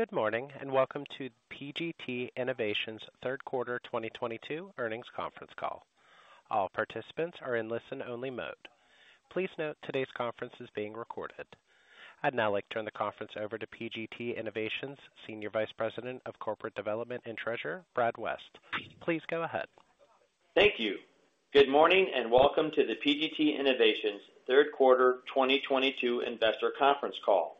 Good morning, and welcome to PGT Innovations' third quarter 2022 earnings conference call. All participants are in listen-only mode. Please note today's conference is being recorded. I'd now like to turn the conference over to PGT Innovations Senior Vice President of Corporate Development and Treasurer, Brad West. Please go ahead. Thank you. Good morning, and welcome to the PGT Innovations third quarter 2022 investor conference call.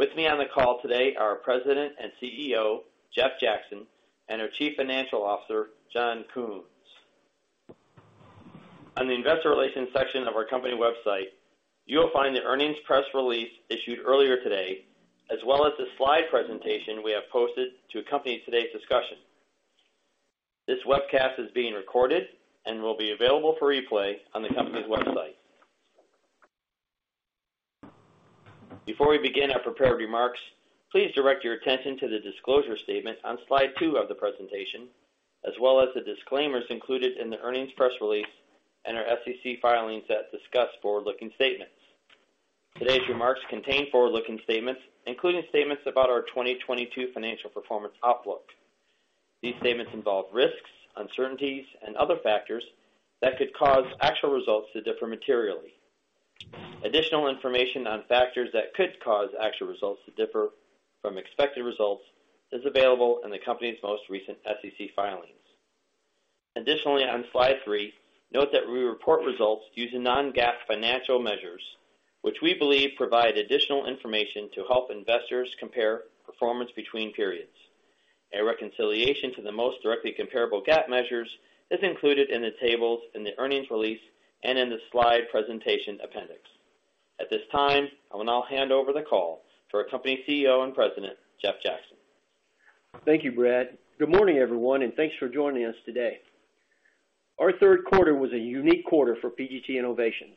With me on the call today are our President and CEO, Jeff Jackson, and our Chief Financial Officer, John Kunz. On the investor relations section of our company website, you will find the earnings press release issued earlier today, as well as the slide presentation we have posted to accompany today's discussion. This webcast is being recorded and will be available for replay on the company's website. Before we begin our prepared remarks, please direct your attention to the disclosure statement on slide two of the presentation, as well as the disclaimers included in the earnings press release and our SEC filings that discuss forward-looking statements. Today's remarks contain forward-looking statements, including statements about our 2022 financial performance outlook. These statements involve risks, uncertainties, and other factors that could cause actual results to differ materially. Additional information on factors that could cause actual results to differ from expected results is available in the company's most recent SEC filings. Additionally, on slide three, note that we report results using non-GAAP financial measures, which we believe provide additional information to help investors compare performance between periods. A reconciliation to the most directly comparable GAAP measures is included in the tables in the earnings release and in the slide presentation appendix. At this time, I will now hand over the call to our company's CEO and President, Jeff Jackson. Thank you, Brad. Good morning, everyone, and thanks for joining us today. Our third quarter was a unique quarter for PGT Innovations.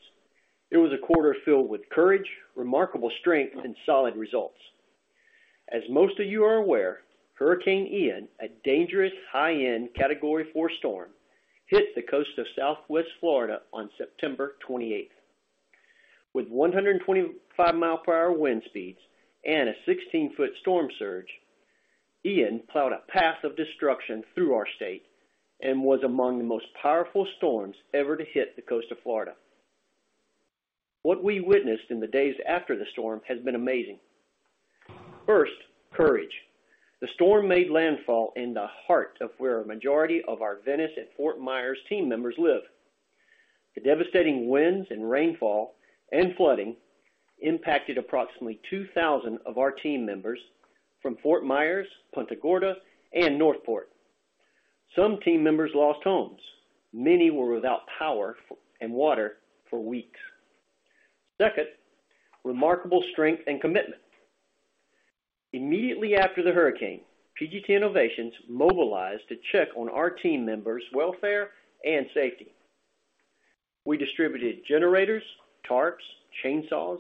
It was a quarter filled with courage, remarkable strength, and solid results. As most of you are aware, Hurricane Ian, a dangerous high-end Category 4 storm, hit the coast of Southwest Florida on September 28th. With 125-mile-per-hour wind speeds and a 16-foot storm surge, Ian plowed a path of destruction through our state and was among the most powerful storms ever to hit the coast of Florida. What we witnessed in the days after the storm has been amazing. First, courage. The storm made landfall in the heart of where a majority of our Venice and Fort Myers team members live. The devastating winds and rainfall and flooding impacted approximately 2,000 of our team members from Fort Myers, Punta Gorda, and North Port. Some team members lost homes. Many were without power and water for weeks. Second, remarkable strength and commitment. Immediately after the hurricane, PGT Innovations mobilized to check on our team members' welfare and safety. We distributed generators, tarps, chainsaws,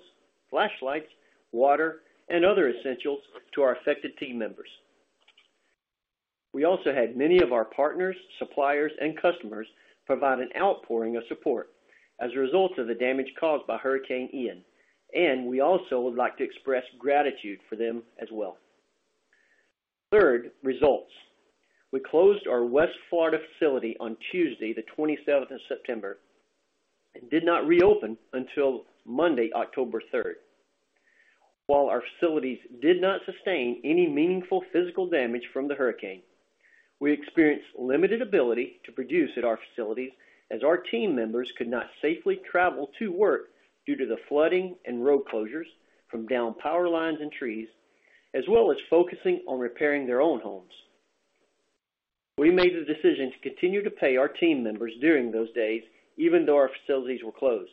flashlights, water, and other essentials to our affected team members. We also had many of our partners, suppliers, and customers provide an outpouring of support as a result of the damage caused by Hurricane Ian, and we also would like to express gratitude for them as well. Third, results. We closed our West Florida facility on Tuesday the 27th of September and did not reopen until Monday, October 3rd. While our facilities did not sustain any meaningful physical damage from the hurricane, we experienced limited ability to produce at our facilities as our team members could not safely travel to work due to the flooding and road closures from downed power lines and trees, as well as focusing on repairing their own homes. We made the decision to continue to pay our team members during those days, even though our facilities were closed.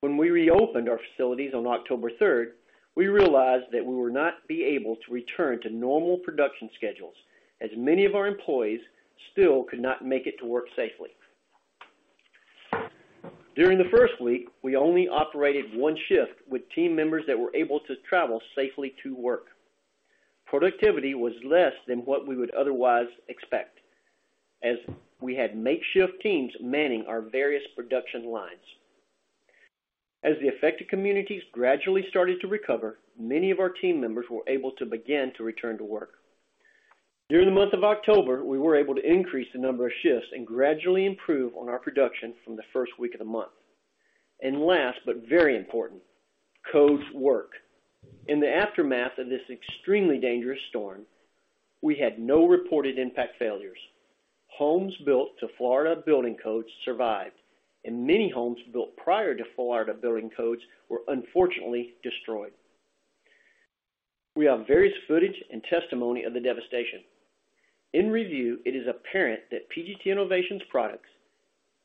When we reopened our facilities on October 3rd, we realized that we would not be able to return to normal production schedules, as many of our employees still could not make it to work safely. During the first week, we only operated one shift with team members that were able to travel safely to work. Productivity was less than what we would otherwise expect, as we had makeshift teams manning our various production lines. As the affected communities gradually started to recover, many of our team members were able to begin to return to work. During the month of October, we were able to increase the number of shifts and gradually improve on our production from the first week of the month. Last, but very important, codes work. In the aftermath of this extremely dangerous storm, we had no reported impact failures. Homes built to Florida Building Codes survived, and many homes built prior to Florida Building Codes were unfortunately destroyed. We have various footage and testimony of the devastation. In review, it is apparent that PGT Innovations products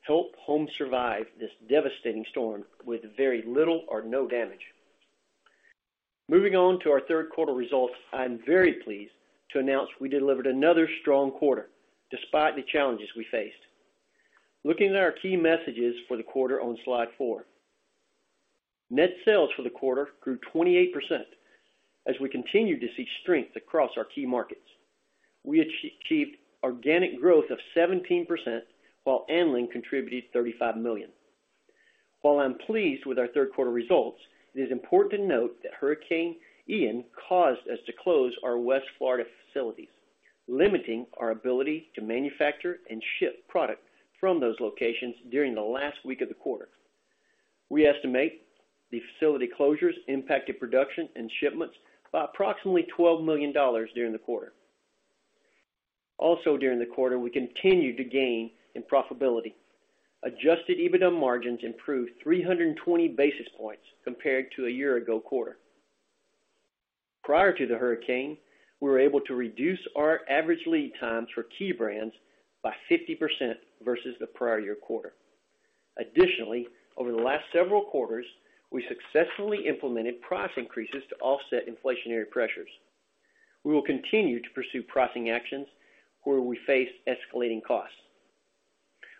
helped homes survive this devastating storm with very little or no damage. Moving on to our third quarter results, I am very pleased to announce we delivered another strong quarter despite the challenges we faced. Looking at our key messages for the quarter on slide four. Net sales for the quarter grew 28% as we continue to see strength across our key markets. We achieved organic growth of 17%, while Anlin contributed $35 million. While I'm pleased with our third quarter results, it is important to note that Hurricane Ian caused us to close our West Florida facilities, limiting our ability to manufacture and ship product from those locations during the last week of the quarter. We estimate the facility closures impacted production and shipments by approximately $12 million during the quarter. Also during the quarter, we continued to gain in profitability. Adjusted EBITDA margins improved 320 basis points compared to a year ago quarter. Prior to the hurricane, we were able to reduce our average lead times for key brands by 50% versus the prior year quarter. Additionally, over the last several quarters, we successfully implemented price increases to offset inflationary pressures. We will continue to pursue pricing actions where we face escalating costs.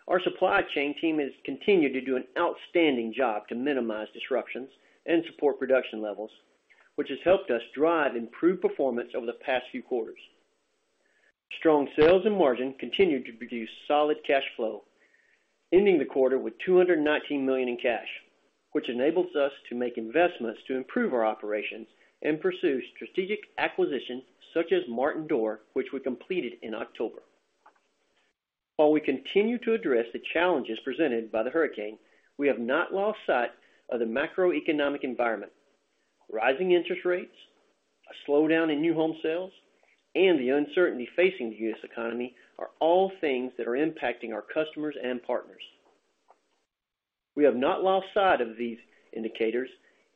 Our supply chain team has continued to do an outstanding job to minimize disruptions and support production levels, which has helped us drive improved performance over the past few quarters. Strong sales and margin continued to produce solid cash flow, ending the quarter with $219 million in cash, which enables us to make investments to improve our operations and pursue strategic acquisitions such as Martin Door, which we completed in October. While we continue to address the challenges presented by the hurricane, we have not lost sight of the macroeconomic environment. Rising interest rates, a slowdown in new home sales, and the uncertainty facing the U.S. economy are all things that are impacting our customers and partners. We have not lost sight of these indicators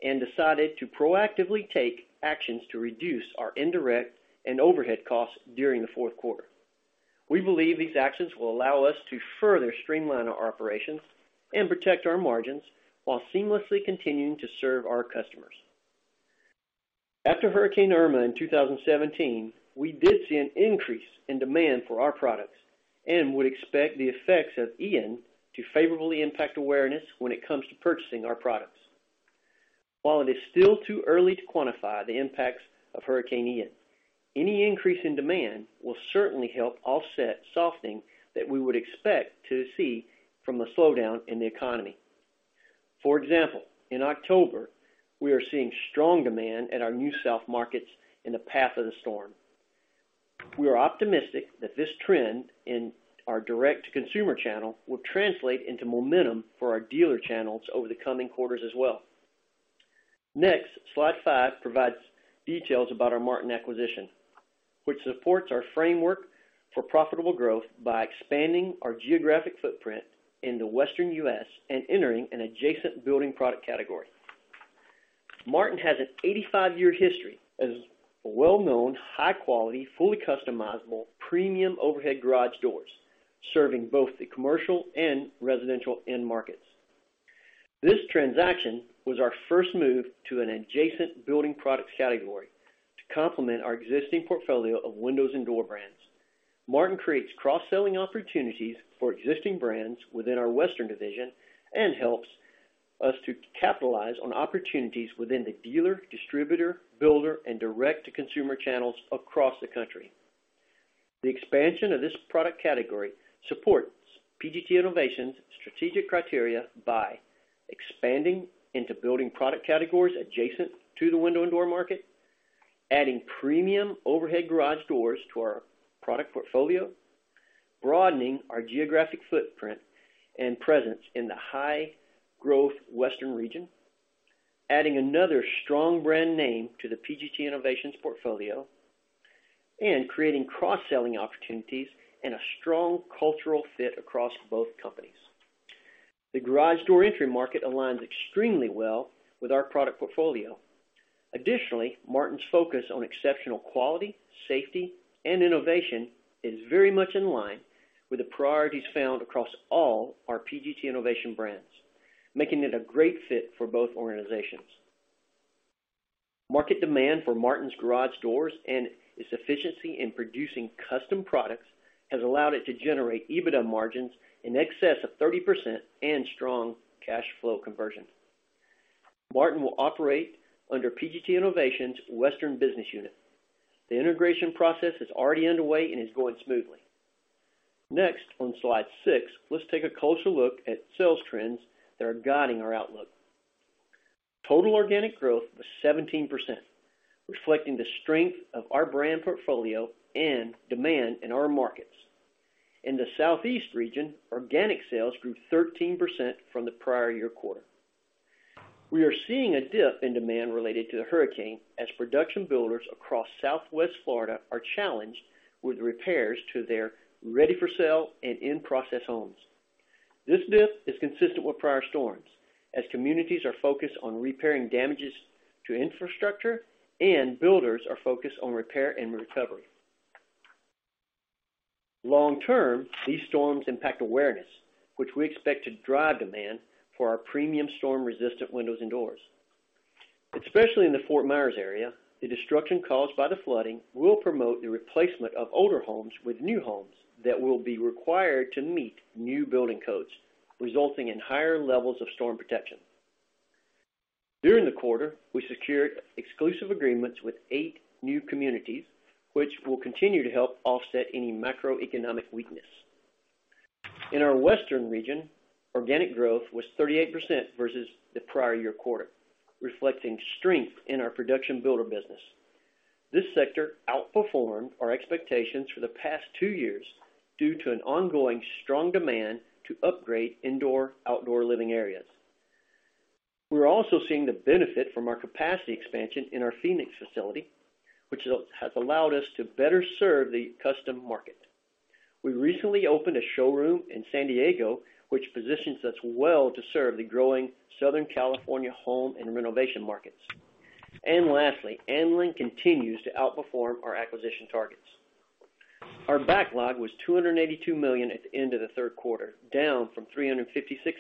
and decided to proactively take actions to reduce our indirect and overhead costs during the fourth quarter. We believe these actions will allow us to further streamline our operations and protect our margins while seamlessly continuing to serve our customers. After Hurricane Irma in 2017, we did see an increase in demand for our products and would expect the effects of Hurricane Ian to favorably impact awareness when it comes to purchasing our products. While it is still too early to quantify the impacts of Hurricane Ian, any increase in demand will certainly help offset softening that we would expect to see from a slowdown in the economy. For example, in October, we are seeing strong demand at our NewSouth markets in the path of the storm. We are optimistic that this trend in our direct-to-consumer channel will translate into momentum for our dealer channels over the coming quarters as well. Next, slide five provides details about our Martin acquisition, which supports our framework for profitable growth by expanding our geographic footprint in the Western U.S. and entering an adjacent building product category. Martin has an 85-year history as a well-known, high quality, fully customizable premium overhead garage doors, serving both the commercial and residential end markets. This transaction was our first move to an adjacent building products category to complement our existing portfolio of windows and door brands. Martin creates cross-selling opportunities for existing brands within our Western division and helps us to capitalize on opportunities within the dealer, distributor, builder, and direct-to-consumer channels across the country. The expansion of this product category supports PGT Innovations' strategic criteria by expanding into building product categories adjacent to the window and door market, adding premium overhead garage doors to our product portfolio, broadening our geographic footprint and presence in the high growth western region, adding another strong brand name to the PGT Innovations portfolio, and creating cross-selling opportunities and a strong cultural fit across both companies. The garage door entry market aligns extremely well with our product portfolio. Additionally, Martin's focus on exceptional quality, safety, and innovation is very much in line with the priorities found across all our PGT Innovations brands, making it a great fit for both organizations. Market demand for Martin's garage doors and its efficiency in producing custom products has allowed it to generate EBITDA margins in excess of 30% and strong cash flow conversion. Martin will operate under PGT Innovations' Western business unit. The integration process is already underway and is going smoothly. Next, on slide six, let's take a closer look at sales trends that are guiding our outlook. Total organic growth was 17%, reflecting the strength of our brand portfolio and demand in our markets. In the Southeast region, organic sales grew 13% from the prior year quarter. We are seeing a dip in demand related to the hurricane as production builders across Southwest Florida are challenged with repairs to their ready-for-sale and in-process homes. This dip is consistent with prior storms, as communities are focused on repairing damages to infrastructure and builders are focused on repair and recovery. Long term, these storms impact awareness, which we expect to drive demand for our premium storm-resistant windows and doors. Especially in the Fort Myers area, the destruction caused by the flooding will promote the replacement of older homes with new homes that will be required to meet new building codes, resulting in higher levels of storm protection. During the quarter, we secured exclusive agreements with eight new communities, which will continue to help offset any macroeconomic weakness. In our Western region, organic growth was 38% versus the prior year quarter, reflecting strength in our production builder business. This sector outperformed our expectations for the past two years due to an ongoing strong demand to upgrade indoor-outdoor living areas. We're also seeing the benefit from our capacity expansion in our Phoenix facility, which has allowed us to better serve the custom market. We recently opened a showroom in San Diego, which positions us well to serve the growing Southern California home and renovation markets. Lastly, Anlin continues to outperform our acquisition targets. Our backlog was $282 million at the end of the third quarter, down from $356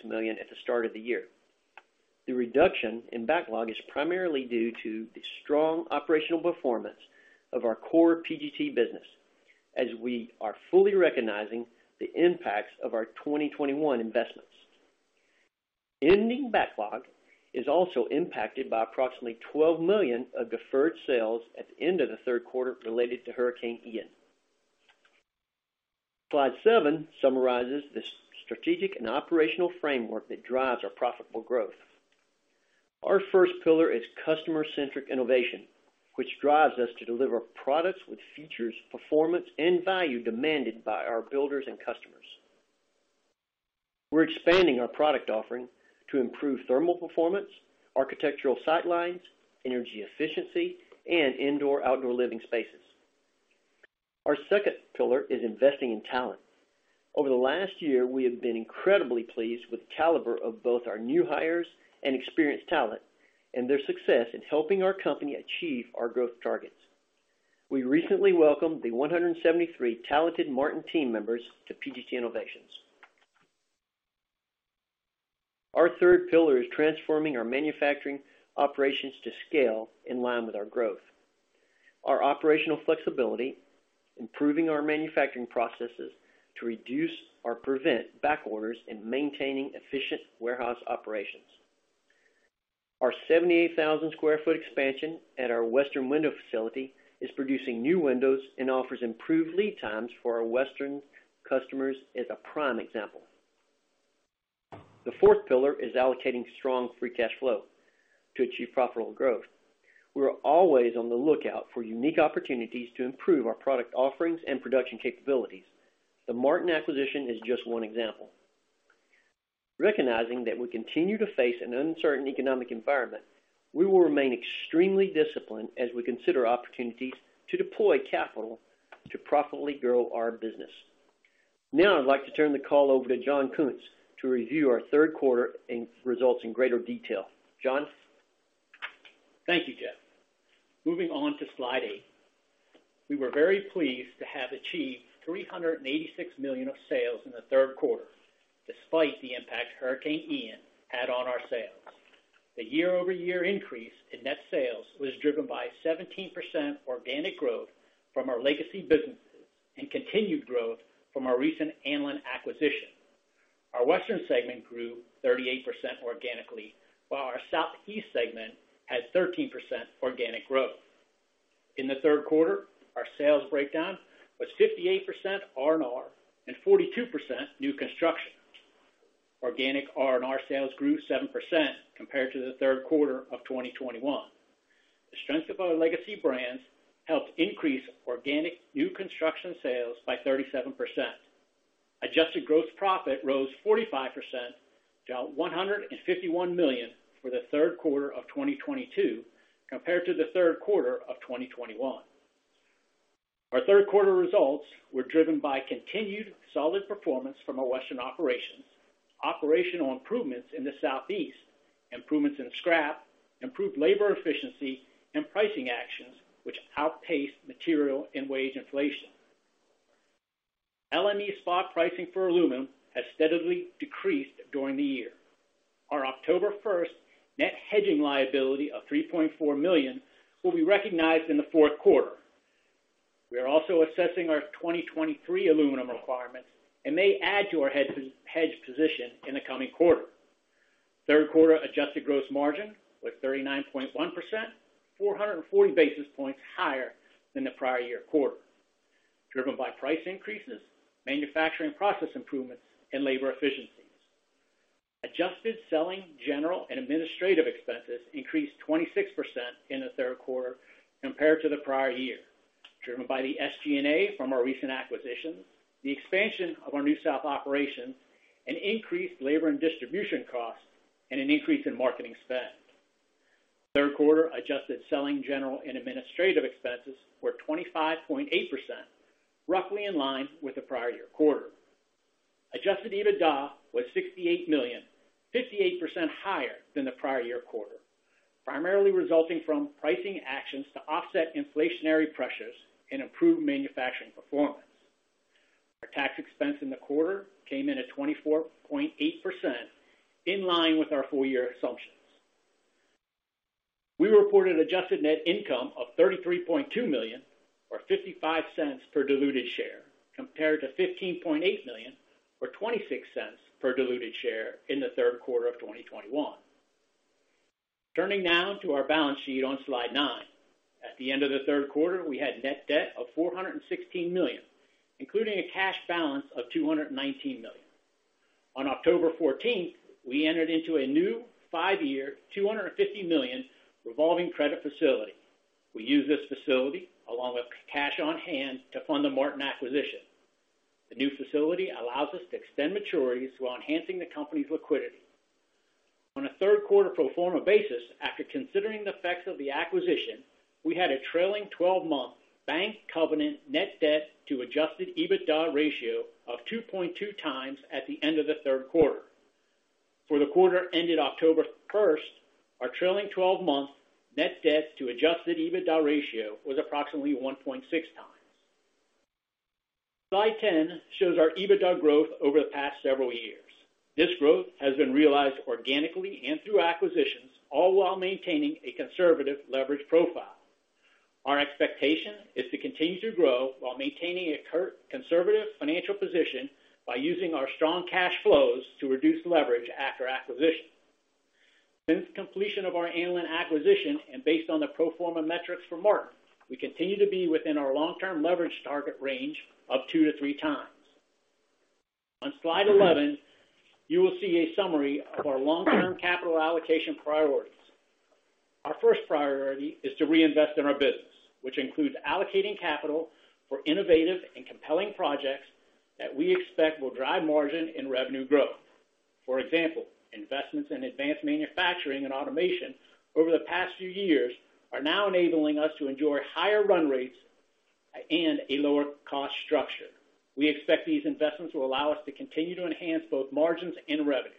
million at the start of the year. The reduction in backlog is primarily due to the strong operational performance of our core PGT business as we are fully recognizing the impacts of our 2021 investments. Ending backlog is also impacted by approximately $12 million of deferred sales at the end of the third quarter related to Hurricane Ian. Slide seven summarizes the strategic and operational framework that drives our profitable growth. Our first pillar is customer-centric innovation, which drives us to deliver products with features, performance, and value demanded by our builders and customers. We're expanding our product offering to improve thermal performance, architectural sight lines, energy efficiency, and indoor-outdoor living spaces. Our second pillar is investing in talent. Over the last year, we have been incredibly pleased with the caliber of both our new hires and experienced talent, and their success in helping our company achieve our growth targets. We recently welcomed the 173 talented Martin team members to PGT Innovations. Our third pillar is transforming our manufacturing operations to scale in line with our growth. Our operational flexibility, improving our manufacturing processes to reduce or prevent back orders, and maintaining efficient warehouse operations. Our 78,000 sq ft expansion at our Western Window facility is producing new windows and offers improved lead times for our Western customers as a prime example. The fourth pillar is allocating strong free cash flow to achieve profitable growth. We're always on the lookout for unique opportunities to improve our product offerings and production capabilities. The Martin acquisition is just one example. Recognizing that we continue to face an uncertain economic environment, we will remain extremely disciplined as we consider opportunities to deploy capital to profitably grow our business. Now I'd like to turn the call over to John Kunz to review our third quarter results in greater detail. John? Thank you, Jeff. Moving on to slide eight. We were very pleased to have achieved $386 million of sales in the third quarter, despite the impact Hurricane Ian had on our sales. The year-over-year increase in net sales was driven by 17% organic growth from our legacy businesses and continued growth from our recent Anlin acquisition. Our western segment grew 38% organically, while our southeast segment had 13% organic growth. In the third quarter, our sales breakdown was 58% R&R and 42% new construction. Organic R&R sales grew 7% compared to the third quarter of 2021. The strength of our legacy brands helped increase organic new construction sales by 37%. Adjusted gross profit rose 45% to $151 million for the third quarter of 2022 compared to the third quarter of 2021. Our third quarter results were driven by continued solid performance from our western operations, operational improvements in the Southeast, improvements in scrap, improved labor efficiency, and pricing actions which outpaced material and wage inflation. LME spot pricing for aluminum has steadily decreased during the year. Our October 1st net hedging liability of $3.4 million will be recognized in the fourth quarter. We are also assessing our 2023 aluminum requirements and may add to our hedge position in the coming quarter. Third quarter adjusted gross margin was 39.1%, 440 basis points higher than the prior year quarter, driven by price increases, manufacturing process improvements, and labor efficiencies. Adjusted selling, general, and administrative expenses increased 26% in the third quarter compared to the prior year, driven by the SG&A from our recent acquisitions, the expansion of our NewSouth operations, an increased labor and distribution cost, and an increase in marketing spend. Third quarter adjusted selling, general, and administrative expenses were 25.8%, roughly in line with the prior year quarter. Adjusted EBITDA was $68 million, 58% higher than the prior year quarter, primarily resulting from pricing actions to offset inflationary pressures and improved manufacturing performance. Our tax expense in the quarter came in at 24.8%, in line with our full year assumptions. We reported adjusted net income of $33.2 million, or $0.55 per diluted share, compared to $15.8 million or $0.26 per diluted share in the third quarter of 2021. Turning now to our balance sheet on slide nine. At the end of the third quarter, we had net debt of $416 million, including a cash balance of $219 million. On October 14th, we entered into a new five-year, $250 million revolving credit facility. We use this facility along with cash on hand to fund the Martin acquisition. The new facility allows us to extend maturities while enhancing the company's liquidity. On a third quarter pro forma basis, after considering the effects of the acquisition, we had a trailing 12-month bank covenant net debt to adjusted EBITDA ratio of 2.2x at the end of the third quarter. For the quarter ended October 1st, our trailing 12-month net debt to adjusted EBITDA ratio was approximately 1.6x. Slide 10 shows our EBITDA growth over the past several years. This growth has been realized organically and through acquisitions, all while maintaining a conservative leverage profile. Our expectation is to continue to grow while maintaining a conservative financial position by using our strong cash flows to reduce leverage after acquisition. Since completion of our Anlin acquisition and based on the pro forma metrics for Martin, we continue to be within our long-term leverage target range of 2x-3x. On Slide 11, you will see a summary of our long-term capital allocation priorities. Our first priority is to reinvest in our business, which includes allocating capital for innovative and compelling projects that we expect will drive margin and revenue growth. For example, investments in advanced manufacturing and automation over the past few years are now enabling us to enjoy higher run rates and a lower cost structure. We expect these investments will allow us to continue to enhance both margins and revenue.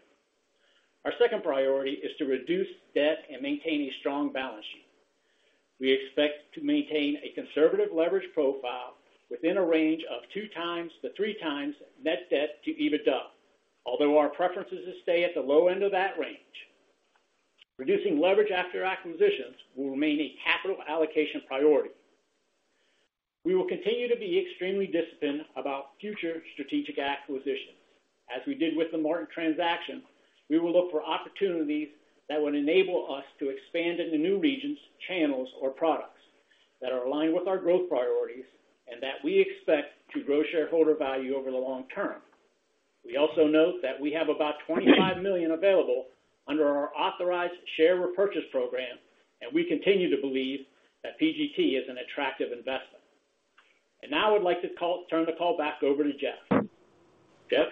Our second priority is to reduce debt and maintain a strong balance sheet. We expect to maintain a conservative leverage profile within a range of 2x-3x net debt to EBITDA. Although our preference is to stay at the low end of that range, reducing leverage after acquisitions will remain a capital allocation priority. We will continue to be extremely disciplined about future strategic acquisitions. As we did with the Martin transaction, we will look for opportunities that would enable us to expand into new regions, channels or products that are aligned with our growth priorities and that we expect to grow shareholder value over the long term. We also note that we have about $25 million available under our authorized share repurchase program, and we continue to believe that PGT is an attractive investment. Now I'd like to turn the call back over to Jeff. Jeff?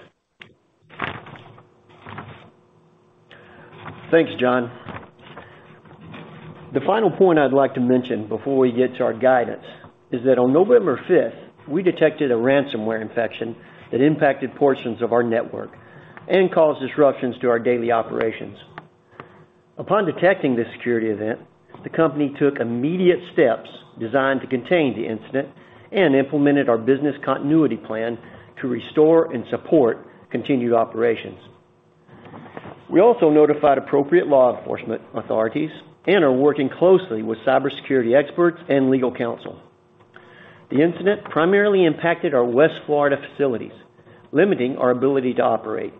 Thanks, John Kunz. The final point I'd like to mention before we get to our guidance is that on November 5th, we detected a ransomware infection that impacted portions of our network and caused disruptions to our daily operations. Upon detecting this security event, the company took immediate steps designed to contain the incident and implemented our business continuity plan to restore and support continued operations. We also notified appropriate law enforcement authorities and are working closely with cybersecurity experts and legal counsel. The incident primarily impacted our West Florida facilities, limiting our ability to operate.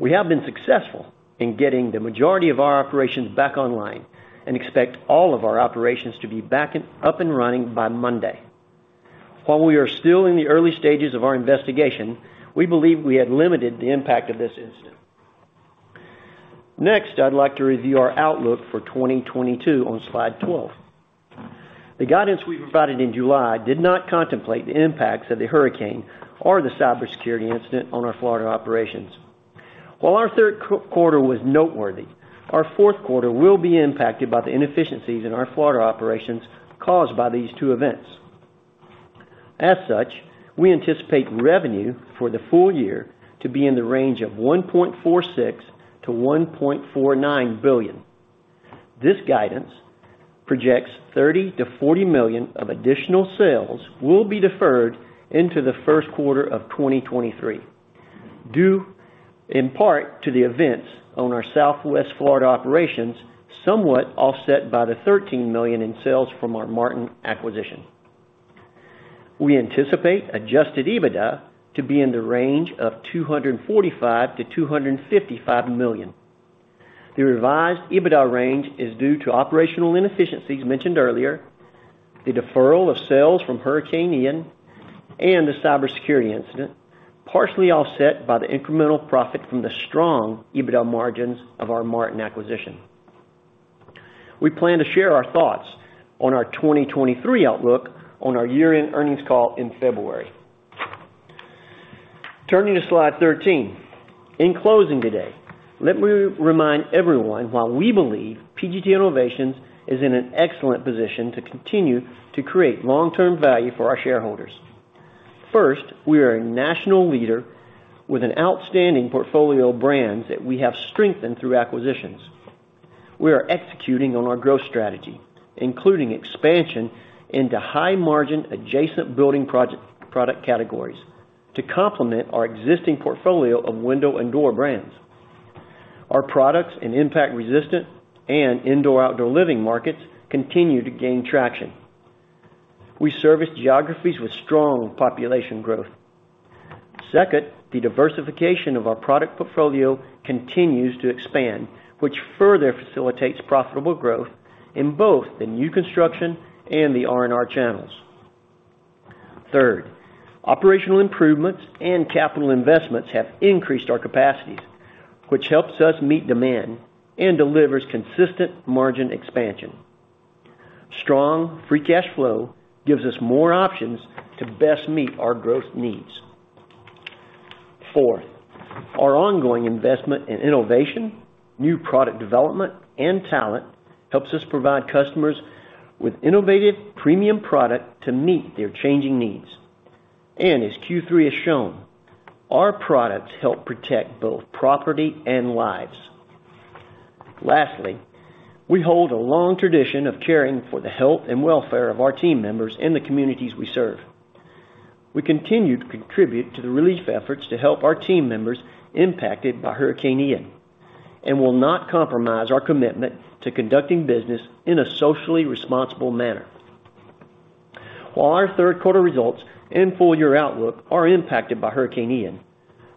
We have been successful in getting the majority of our operations back online and expect all of our operations to be back and up and running by Monday. While we are still in the early stages of our investigation, we believe we had limited the impact of this incident. Next, I'd like to review our outlook for 2022 on slide 12. The guidance we provided in July did not contemplate the impacts of the hurricane or the cybersecurity incident on our Florida operations. While our third quarter was noteworthy, our fourth quarter will be impacted by the inefficiencies in our Florida operations caused by these two events. As such, we anticipate revenue for the full year to be in the range of $1.46 billion-$1.49 billion. This guidance projects $30 million-$40 million of additional sales will be deferred into the first quarter of 2023, due in part to the events on our Southwest Florida operations, somewhat offset by the $13 million in sales from our Martin acquisition. We anticipate adjusted EBITDA to be in the range of $245 million-$255 million. The revised EBITDA range is due to operational inefficiencies mentioned earlier, the deferral of sales from Hurricane Ian and the cybersecurity incident, partially offset by the incremental profit from the strong EBITDA margins of our Martin acquisition. We plan to share our thoughts on our 2023 outlook on our year-end earnings call in February. Turning to slide 13. In closing today, let me remind everyone while we believe PGT Innovations is in an excellent position to continue to create long-term value for our shareholders. First, we are a national leader with an outstanding portfolio of brands that we have strengthened through acquisitions. We are executing on our growth strategy, including expansion into high-margin adjacent building product categories to complement our existing portfolio of window and door brands. Our products in impact-resistant and indoor-outdoor living markets continue to gain traction. We service geographies with strong population growth. Second, the diversification of our product portfolio continues to expand, which further facilitates profitable growth in both the new construction and the R&R channels. Third, operational improvements and capital investments have increased our capacities, which helps us meet demand and delivers consistent margin expansion. Strong free cash flow gives us more options to best meet our growth needs. Fourth, our ongoing investment in innovation, new product development, and talent helps us provide customers with innovative premium product to meet their changing needs. As Q3 has shown, our products help protect both property and lives. Lastly, we hold a long tradition of caring for the health and welfare of our team members in the communities we serve. We continue to contribute to the relief efforts to help our team members impacted by Hurricane Ian and will not compromise our commitment to conducting business in a socially responsible manner. While our third quarter results and full year outlook are impacted by Hurricane Ian,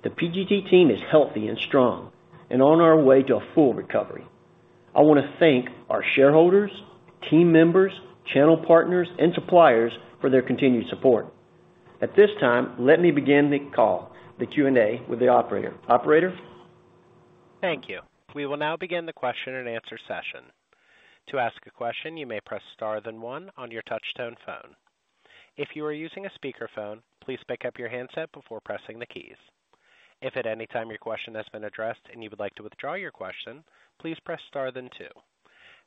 the PGT team is healthy and strong and on our way to a full recovery. I want to thank our shareholders, team members, channel partners, and suppliers for their continued support. At this time, let me begin the call, the Q&A with the operator. Operator? Thank you. We will now begin the question and answer session. To ask a question, you may press star then one on your touch-tone phone. If you are using a speakerphone, please pick up your handset before pressing the keys. If at any time your question has been addressed and you would like to withdraw your question, please press star then two.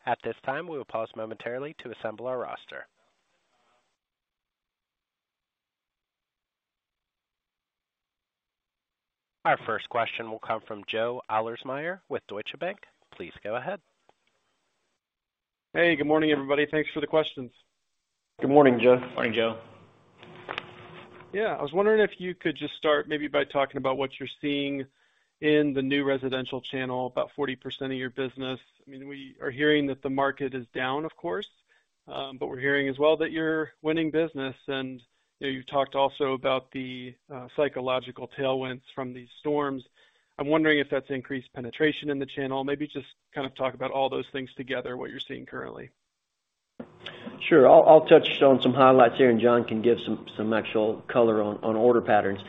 At this time, we will pause momentarily to assemble our roster. Our first question will come from Joe Ahlersmeyer with Deutsche Bank. Please go ahead. Hey, good morning, everybody. Thanks for the questions. Good morning, Joe. Morning, Joe. Yeah. I was wondering if you could just start maybe by talking about what you're seeing in the new residential channel, about 40% of your business. I mean, we are hearing that the market is down, of course, but we're hearing as well that you're winning business. You know, you talked also about the psychological tailwinds from these storms. I'm wondering if that's increased penetration in the channel. Maybe just kind of talk about all those things together, what you're seeing currently. Sure. I'll touch on some highlights here, and John can give some actual color on order patterns.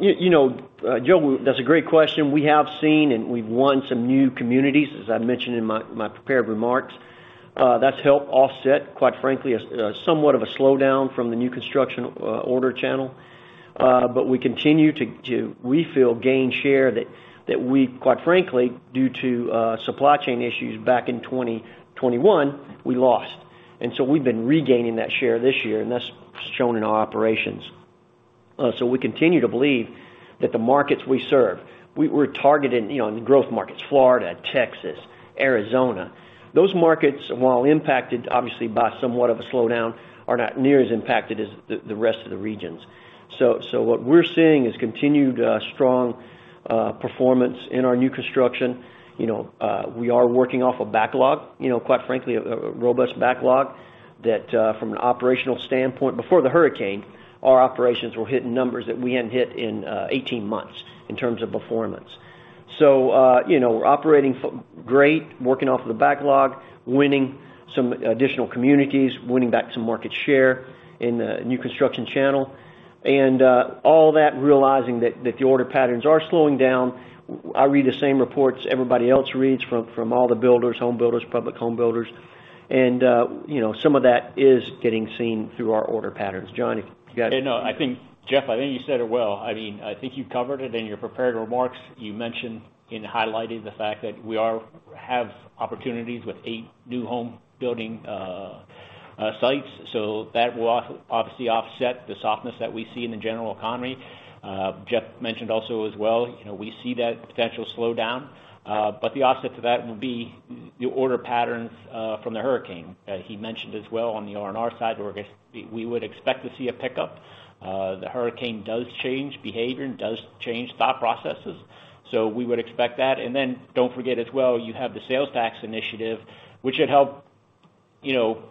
You know, Joe, that's a great question. We have seen and we've won some new communities, as I mentioned in my prepared remarks. That's helped offset, quite frankly, somewhat of a slowdown from the new construction order channel. But we continue to, we feel gain share that we quite frankly, due to supply chain issues back in 2021, we lost. We've been regaining that share this year, and that's shown in our operations. We continue to believe that the markets we serve, we're targeted, you know, in growth markets, Florida, Texas, Arizona. Those markets, while impacted obviously by somewhat of a slowdown, are not near as impacted as the rest of the regions. What we're seeing is continued strong performance in our new construction. You know, we are working off a backlog, you know, quite frankly, a robust backlog that from an operational standpoint before the hurricane, our operations were hitting numbers that we hadn't hit in 18 months in terms of performance. You know, we're operating great, working off of the backlog, winning some additional communities, winning back some market share in the new construction channel. All that realizing that the order patterns are slowing down. I read the same reports everybody else reads from all the builders, home builders, public home builders, and you know, some of that is getting seen through our order patterns. John Kunz, you got it. Yeah, no. I think, Jeff, I think you said it well. I mean, I think you covered it in your prepared remarks. You mentioned in highlighting the fact that we have opportunities with eight new home building sites. That will obviously offset the softness that we see in the general economy. Jeff mentioned also as well, we see that potential slowdown, but the offset to that will be the order patterns from the hurricane. He mentioned as well on the R&R side, where we would expect to see a pickup. The hurricane does change behavior and does change thought processes. We would expect that. Don't forget as well, you have the sales tax initiative, which should help, you know,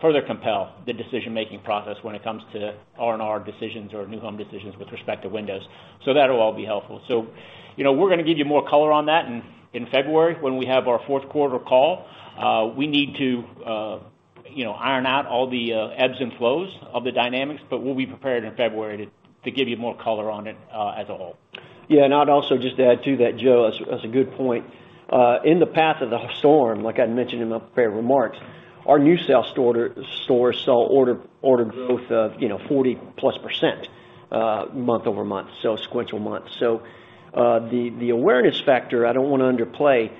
further compel the decision-making process when it comes to R&R decisions or new home decisions with respect to windows. That'll all be helpful. You know, we're gonna give you more color on that in February when we have our fourth quarter call. We need to, you know, iron out all the ebbs and flows of the dynamics, but we'll be prepared in February to give you more color on it as a whole. Yeah. I'd also just add to that, Joe, that's a good point. In the path of the storm, like I mentioned in my prepared remarks, our new sales store saw order growth of, you know, 40%+, month-over-month, so sequential month. The awareness factor, I don't wanna underplay.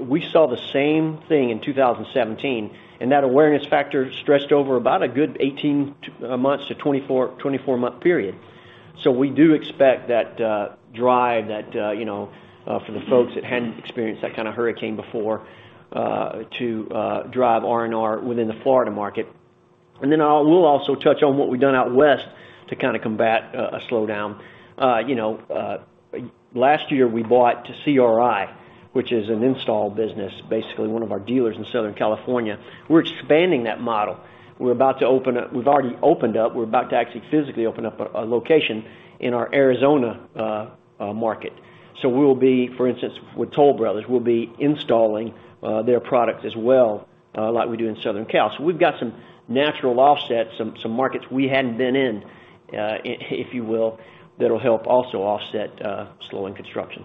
We saw the same thing in 2017, and that awareness factor stretched over about a good 18 months to 24-month period. We do expect that drive that, you know, for the folks that hadn't experienced that kind of hurricane before, to drive R&R within the Florida market. We'll also touch on what we've done out west to kind of combat a slowdown. You know, last year we bought CRi, which is an install business, basically one of our dealers in Southern California. We're expanding that model. We've already opened up. We're about to actually physically open up a location in our Arizona market. We'll be, for instance, with Toll Brothers, installing their product as well, like we do in Southern Cal. We've got some natural offsets, some markets we hadn't been in, if you will, that'll help also offset slowing construction.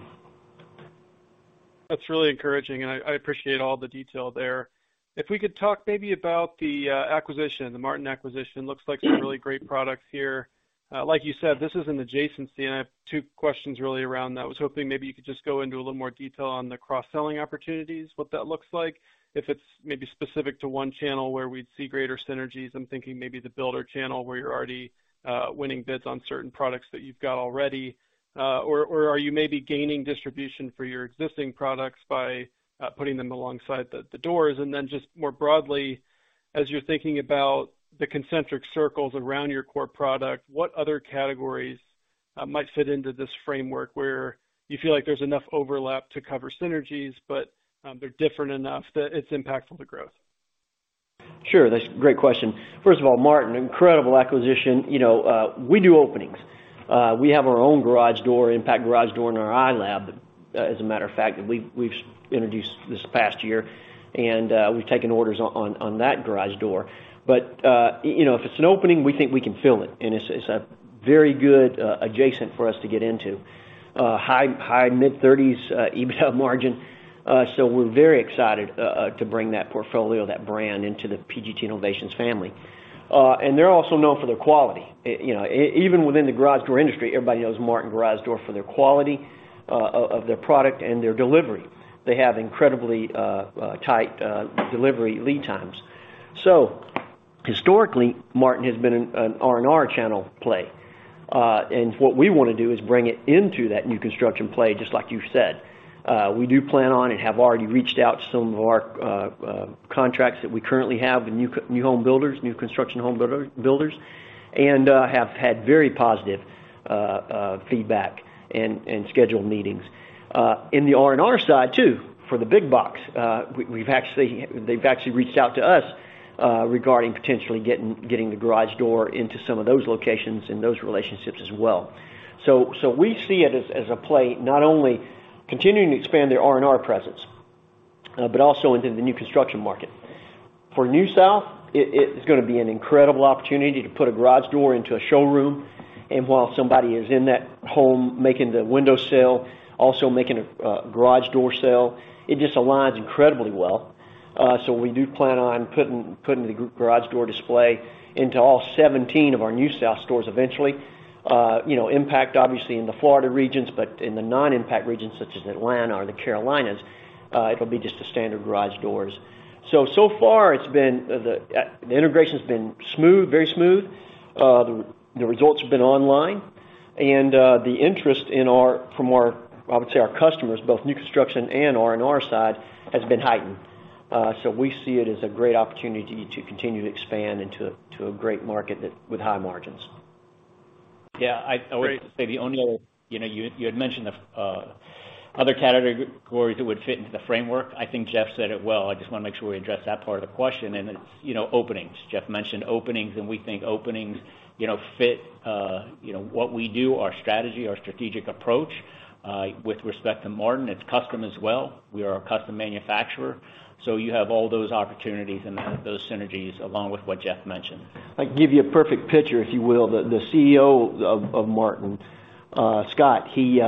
That's really encouraging, and I appreciate all the detail there. If we could talk maybe about the acquisition, the Martin acquisition. Looks like some really great products here. Like you said, this is an adjacency, and I have two questions really around that. I was hoping maybe you could just go into a little more detail on the cross-selling opportunities, what that looks like. If it's maybe specific to one channel where we'd see greater synergies, I'm thinking maybe the builder channel, where you're already winning bids on certain products that you've got already. Or are you maybe gaining distribution for your existing products by putting them alongside the doors? Just more broadly, as you're thinking about the concentric circles around your core product, what other categories might fit into this framework where you feel like there's enough overlap to cover synergies, but they're different enough that it's impactful to growth? Sure. That's a great question. First of all, Martin, incredible acquisition. You know, we do openings. We have our own garage door, impact garage door in our iLab, as a matter of fact, that we've introduced this past year, and we've taken orders on that garage door. You know, if it's an opening, we think we can fill it, and it's a very good adjacency for us to get into. High mid-30s% EBITDA margin. So we're very excited to bring that portfolio, that brand into the PGT Innovations family. They're also known for their quality. You know, even within the garage door industry, everybody knows Martin Door for their quality of their product and their delivery. They have incredibly tight delivery lead times. Historically, Martin has been an R&R channel play. What we wanna do is bring it into that new construction play, just like you said. We do plan on and have already reached out to some of our contacts that we currently have with new home builders, new construction home builders, and have had very positive feedback and scheduled meetings. In the R&R side too, for the big box, they've actually reached out to us regarding potentially getting the garage door into some of those locations and those relationships as well. We see it as a play not only continuing to expand their R&R presence, but also into the new construction market. For NewSouth, it is gonna be an incredible opportunity to put a garage door into a showroom. While somebody is in that home making the window sale, also making a garage door sale, it just aligns incredibly well. We do plan on putting the garage door display into all 17 of our NewSouth stores eventually. You know, impact obviously in the Florida regions, but in the non-impact regions such as Atlanta or the Carolinas, it'll be just the standard garage doors. So far the integration's been smooth, very smooth. The results have been online and the interest from our, I would say our customers, both new construction and R&R side has been heightened. We see it as a great opportunity to continue to expand into a great market that with high margins. Yeah. I always say the only other, you know, you had mentioned the other categories that would fit into the framework. I think Jeff said it well. I just wanna make sure we address that part of the question. It's, you know, openings. Jeff mentioned openings, and we think openings, you know, fit, you know, what we do, our strategy, our strategic approach, with respect to Martin. It's custom as well. We are a custom manufacturer, so you have all those opportunities and those synergies along with what Jeff mentioned. I can give you a perfect picture, if you will. The CEO of Martin, Scott, he,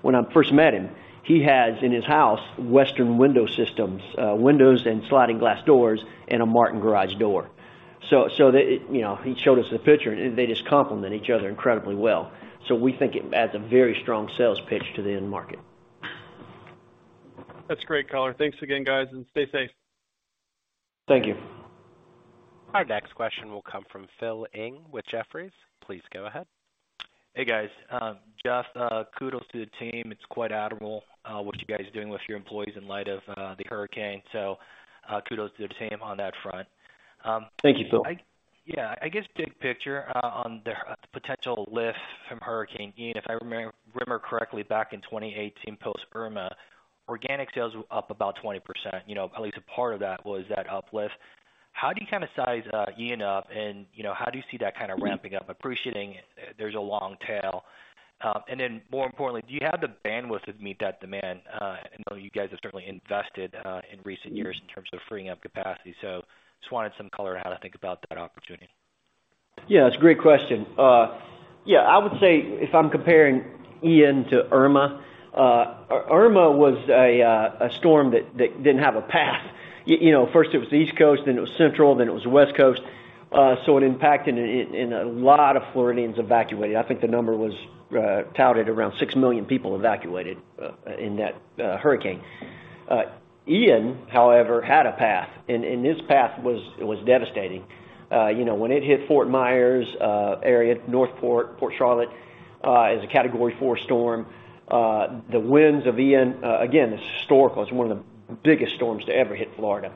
when I first met him, he has in his house Western Window Systems windows and sliding glass doors and a Martin garage door. They, you know, he showed us the picture, and they just complement each other incredibly well. We think it adds a very strong sales pitch to the end market. That's great color. Thanks again, guys, and stay safe. Thank you. Our next question will come from Philip Ng with Jefferies. Please go ahead. Hey, guys. Jeff, kudos to the team. It's quite admirable what you guys are doing with your employees in light of the hurricane. Kudos to the team on that front. Thank you, Philip. Yeah. I guess big picture, on the potential lift from Hurricane Ian. If I remember correctly, back in 2018 post Irma, organic sales were up about 20%. You know, at least a part of that was that uplift. How do you kind of size Ian up and, you know, how do you see that kind of ramping up? Appreciating there's a long tail. Then more importantly, do you have the bandwidth to meet that demand? I know you guys have certainly invested in recent years in terms of freeing up capacity. Just wanted some color how to think about that opportunity. Yeah, it's a great question. Yeah, I would say if I'm comparing Ian to Irma was a storm that didn't have a path. You know, first it was the East Coast, then it was Central, then it was the West Coast. It impacted and a lot of Floridians evacuated. I think the number was touted around 6 million people evacuated in that hurricane. Ian, however, had a path and his path was devastating. You know, when it hit Fort Myers area, North Port Charlotte, as a Category 4 storm, the winds of Ian, again, this is historical. It's one of the biggest storms to ever hit Florida.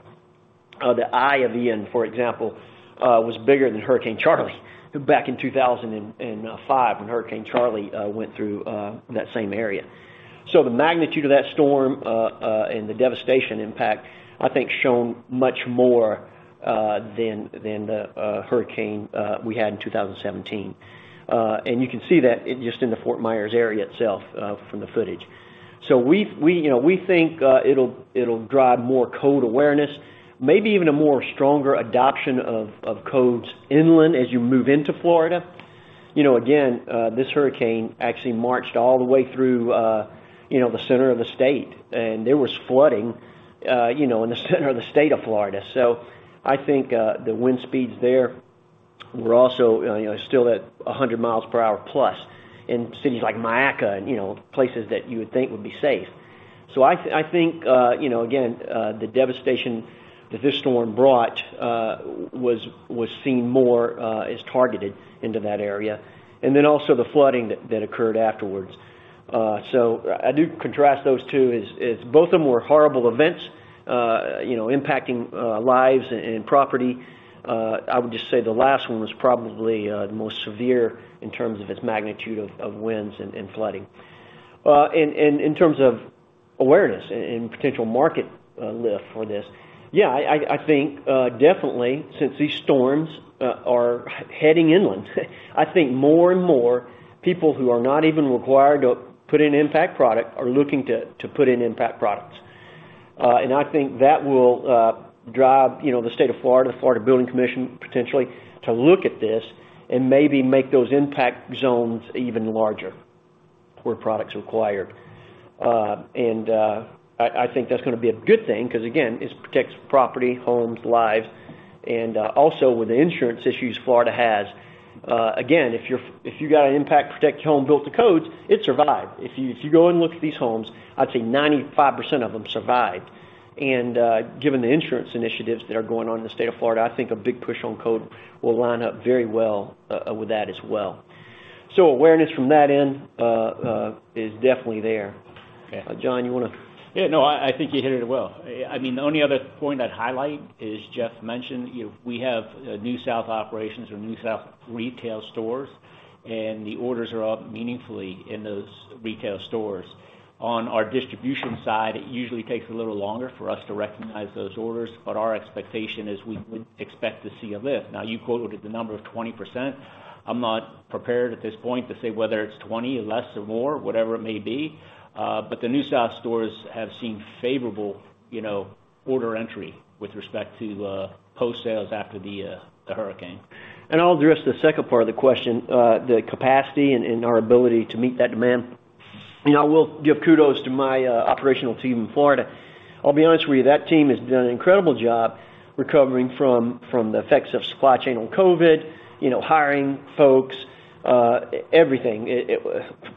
The eye of Ian, for example, was bigger than Hurricane Charley back in 2005 when Hurricane Charley went through that same area. The magnitude of that storm and the devastation impact, I think shown much more than the hurricane we had in 2017. You can see that just in the Fort Myers area itself from the footage. We, you know, think it'll drive more code awareness, maybe even a more stronger adoption of codes inland as you move into Florida. You know, again, this hurricane actually marched all the way through you know the center of the state, and there was flooding you know in the center of the state of Florida. I think the wind speeds there were also, you know, still at 100+ miles per hour in cities like Myakka and, you know, places that you would think would be safe. I think, you know, again, the devastation that this storm brought was seen more as targeted into that area, and then also the flooding that occurred afterwards. I do contrast those two as both of them were horrible events, you know, impacting lives and property. I would just say the last one was probably the most severe in terms of its magnitude of winds and flooding. In terms of awareness and potential market lift for this, yeah, I think definitely since these storms are heading inland, I think more and more people who are not even required to put in impact product are looking to put in impact products. I think that will drive, you know, the State of Florida Building Commission, potentially to look at this and maybe make those impact zones even larger, where product's required. I think that's gonna be a good thing, 'cause again, it protects property, homes, lives, and also with the insurance issues Florida has, again, if you got an impact-protected home built to codes, it survived. If you go and look at these homes, I'd say 95% of them survived. Given the insurance initiatives that are going on in the state of Florida, I think a big push on code will line up very well, with that as well. Awareness from that end is definitely there. John, you wanna? Yeah, no, I think you hit it well. I mean, the only other point I'd highlight, as Jeff mentioned, you know, we have NewSouth operations or NewSouth retail stores, and the orders are up meaningfully in those retail stores. On our distribution side, it usually takes a little longer for us to recognize those orders, but our expectation is we would expect to see a lift. Now, you quoted the number of 20%. I'm not prepared at this point to say whether it's 20, less or more, whatever it may be. But the NewSouth stores have seen favorable, you know, order entry with respect to post-sales after the hurricane. I'll address the second part of the question, the capacity and our ability to meet that demand. You know, I will give kudos to my operational team in Florida. I'll be honest with you, that team has done an incredible job recovering from the effects of supply chain and COVID, you know, hiring folks, everything.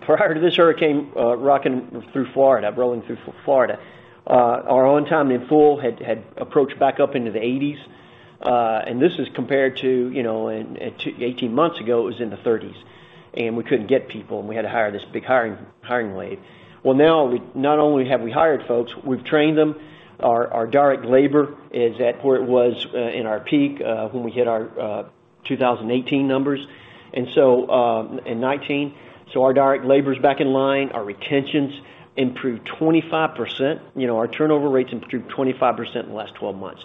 Prior to this hurricane rolling through Florida, our on-time in full had approached back up into the eighties. This was compared to, you know, eighteen months ago, it was in the thirties, and we couldn't get people, and we had to hire this big hiring wave. Well, now we not only have we hired folks, we've trained them. Our direct labor is at where it was in our peak when we hit our 2018 numbers. Our direct labor is back in line. Our retentions improved 25%. You know, our turnover rates improved 25% in the last 12 months.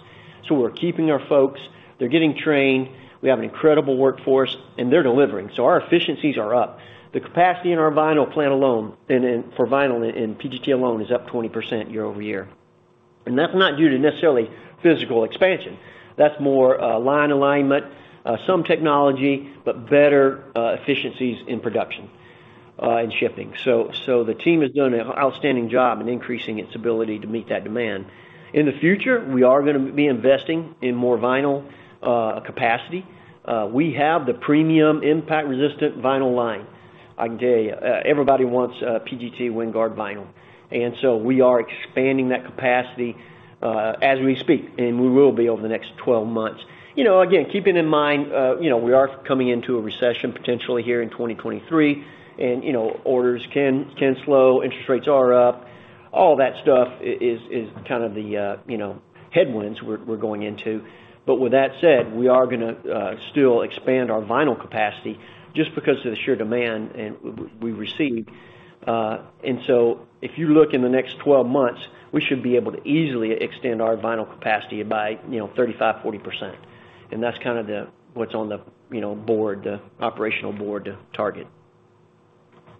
We're keeping our folks. They're getting trained. We have an incredible workforce, and they're delivering. Our efficiencies are up. The capacity in our vinyl plant alone and for vinyl in PGT alone is up 20% year-over-year. That's not due to necessarily physical expansion. That's more line alignment some technology, but better efficiencies in production and shipping. The team has done an outstanding job in increasing its ability to meet that demand. In the future, we are gonna be investing in more vinyl capacity. We have the premium impact-resistant vinyl line. I can tell you, everybody wants, PGT WinGuard vinyl. We are expanding that capacity, as we speak, and we will be over the next 12 months. You know, again, keeping in mind, you know, we are coming into a recession potentially here in 2023, and, you know, orders can slow, interest rates are up. All that stuff is kind of the, you know, headwinds we're going into. With that said, we are gonna still expand our vinyl capacity just because of the sheer demand we receive. If you look in the next 12 months, we should be able to easily extend our vinyl capacity by, you know, 35%-40%. That's kind of what's on the, you know, board, the operational board target.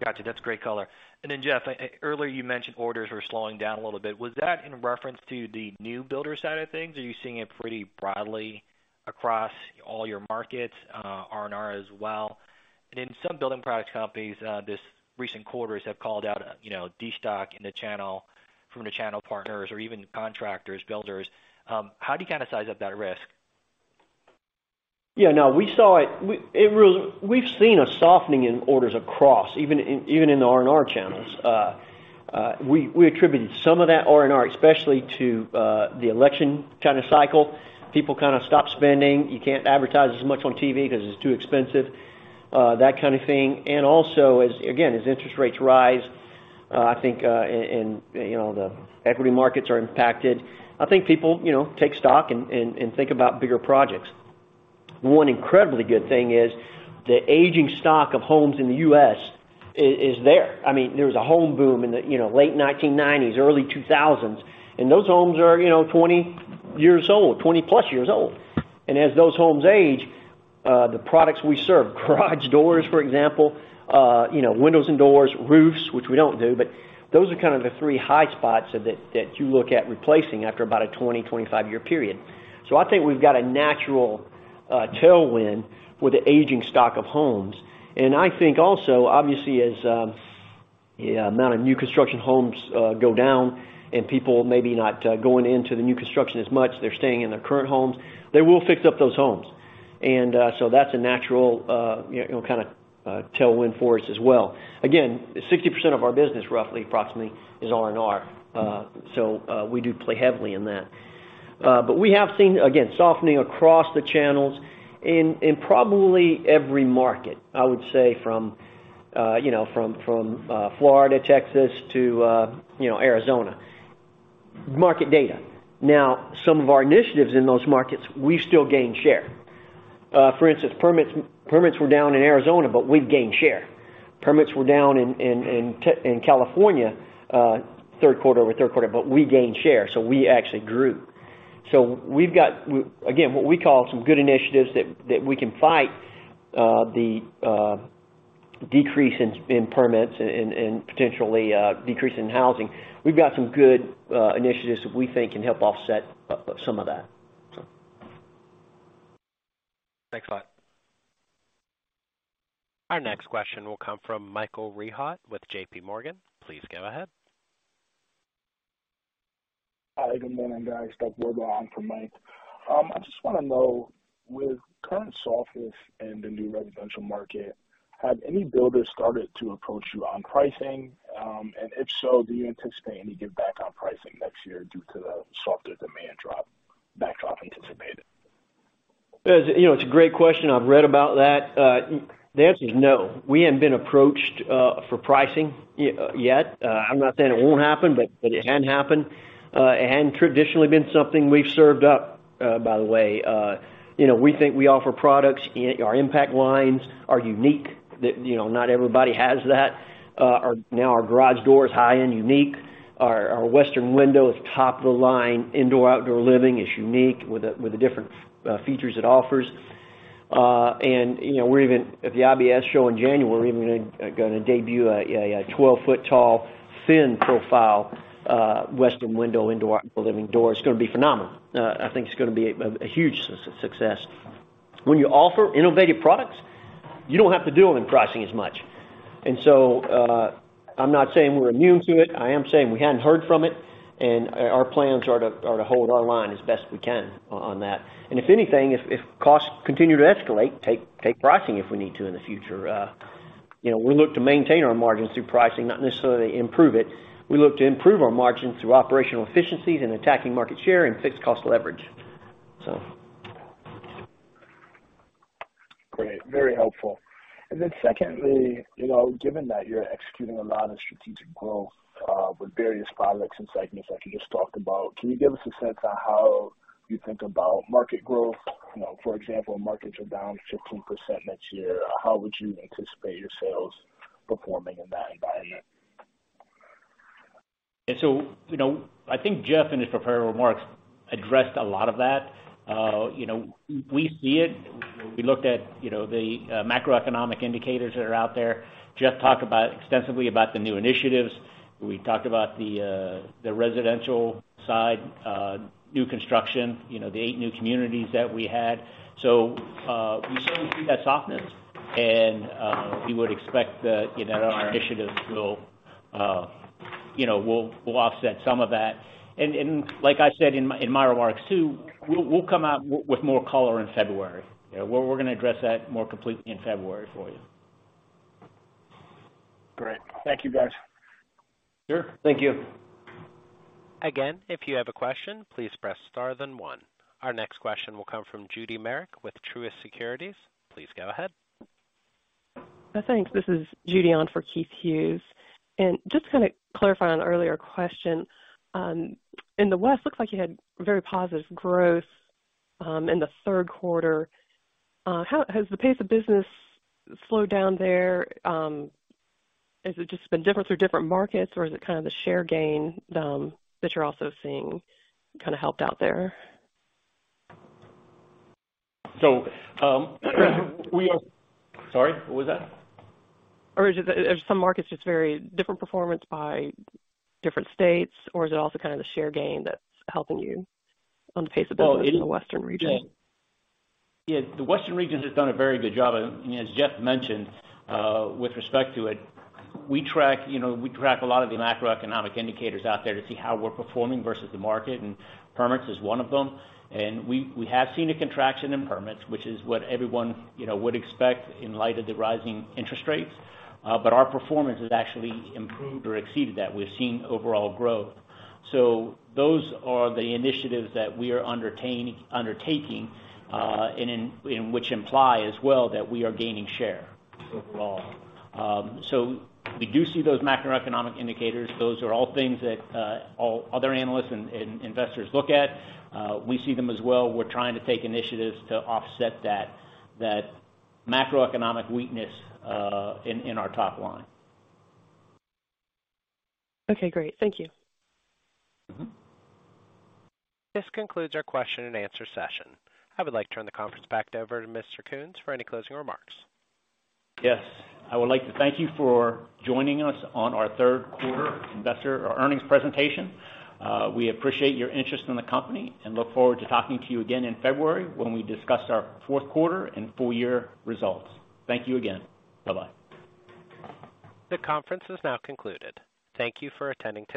Got you. That's great color. Jeff, earlier you mentioned orders were slowing down a little bit. Was that in reference to the new builder side of things? Are you seeing it pretty broadly? Across all your markets, R&R as well. In some building products companies, this recent quarters have called out, you know, destock in the channel from the channel partners or even contractors, builders. How do you kind of size up that risk? Yeah, no, we saw it. We've seen a softening in orders across even in, even in the R&R channels. We attributed some of that R&R especially to the election kind of cycle. People kind of stop spending. You can't advertise as much on TV 'cause it's too expensive, that kind of thing. Also as, again, as interest rates rise, I think and you know, the equity markets are impacted. I think people, you know, take stock and think about bigger projects. One incredibly good thing is the aging stock of homes in the U.S. is there. I mean, there was a home boom in the, you know, late 1990s, early 2000s. Those homes are, you know, 20 years old, 20+ years old. As those homes age, the products we serve, garage doors, for example, you know, windows and doors, roofs, which we don't do, but those are kind of the three high spots that you look at replacing after about a 20-25 year period. I think we've got a natural tailwind with the aging stock of homes. I think also, obviously as the amount of new construction homes go down and people maybe not going into the new construction as much, they're staying in their current homes, they will fix up those homes. That's a natural, you know, kind of tailwind for us as well. Again, 60% of our business, roughly, approximately, is R&R. We do play heavily in that. We have seen, again, softening across the channels in probably every market, I would say from, you know, from Florida, Texas to, you know, Arizona. Market data. Now, some of our initiatives in those markets, we still gain share. For instance, permits were down in Arizona, but we've gained share. Permits were down in California, third quarter over third quarter, but we gained share, so we actually grew. We've got, we again, what we call some good initiatives that we can fight the decrease in permits and potentially decrease in housing. We've got some good initiatives that we think can help offset some of that. Thanks a lot. Our next question will come from Michael Rehaut with J.P. Morgan. Please go ahead. Hi, good morning, guys. Douglas Reid from Michael. I just wanna know, with current softness in the new residential market, have any builders started to approach you on pricing? If so, do you anticipate any giveback on pricing next year due to the softer demand backdrop anticipated? As you know, it's a great question. I've read about that. The answer is no. We haven't been approached for pricing yet. I'm not saying it won't happen, but it hadn't happened. It hadn't traditionally been something we've served up, by the way. You know, we think we offer products. Our Impact lines are unique that, you know, not everybody has that. Our garage door is high-end unique. Our Western window is top-of-the-line indoor-outdoor living. It's unique with the different features it offers. You know, we're even at the IBS show in January gonna debut a 12-foot tall, thin profile Western window indoor/outdoor living door. It's gonna be phenomenal. I think it's gonna be a huge success. When you offer innovative products, you don't have to deal in pricing as much. I'm not saying we're immune to it. I am saying we haven't heard from it, and our plans are to hold our line as best we can on that. If anything, if costs continue to escalate, take pricing if we need to in the future. You know, we look to maintain our margins through pricing, not necessarily improve it. We look to improve our margins through operational efficiencies and attacking market share and fixed cost leverage. Great. Very helpful. Secondly, you know, given that you're executing a lot of strategic growth with various products and segments like you just talked about, can you give us a sense on how you think about market growth? You know, for example, markets are down 15% next year. How would you anticipate your sales performing in that environment? You know, I think Jeff, in his prepared remarks, addressed a lot of that. You know, we see it. We looked at, you know, the macroeconomic indicators that are out there. Jeff talked extensively about the new initiatives. We talked about the residential side, new construction, you know, the eight new communities that we had. We certainly see that softness and we would expect that, you know, our initiatives will offset some of that. Like I said in my remarks too, we'll come out with more color in February. You know, we're gonna address that more completely in February for you. Great. Thank you, guys. Sure. Thank you. Again, if you have a question, please press star then one. Our next question will come from Judy Merrick with Truist Securities. Please go ahead. Thanks. This is Judy on for Keith Hughes. Just to kind of clarify on an earlier question, in the West, looks like you had very positive growth in the third quarter. How has the pace of business slowed down there? Is it just been different through different markets or is it kind of the share gain that you're also seeing kind of helped out there? Sorry, what was that? is it, are some markets just very different performance by different states, or is it also kind of the share gain that's helping you on the pace of business in the western region? Yeah. The western region has done a very good job, as Jeff mentioned, with respect to it. We track, you know, we track a lot of the macroeconomic indicators out there to see how we're performing versus the market, and permits is one of them. We have seen a contraction in permits, which is what everyone would expect in light of the rising interest rates. Our performance has actually improved or exceeded that. We've seen overall growth. Those are the initiatives that we are undertaking, and in which imply as well that we are gaining share overall. We do see those macroeconomic indicators. Those are all things that all other analysts and investors look at. We see them as well. We're trying to take initiatives to offset that macroeconomic weakness in our top line. Okay, great. Thank you. Mm-hmm. This concludes our question and answer session. I would like to turn the conference back over to Mr. Kunz for any closing remarks. Yes. I would like to thank you for joining us on our third quarter earnings presentation. We appreciate your interest in the company and look forward to talking to you again in February when we discuss our fourth quarter and full year results. Thank you again. Bye-bye. The conference is now concluded. Thank you for attending today.